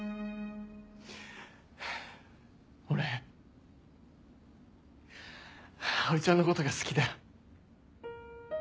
俺葵ちゃんのことが好きだ。